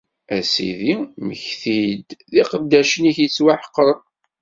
A Sidi, mmekti-d d iqeddacen-ik yettwaḥeqren!